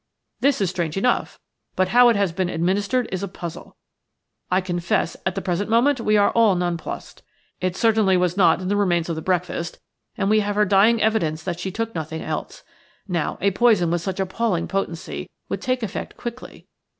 This is strange enough, but how it has been administered is a puzzle. I confess, at the present moment, we are all nonplussed. It certainly was not in the remains of the breakfast, and we have her dying evidence that she took nothing else. Now, a poison with such appalling potency would take effect quickly.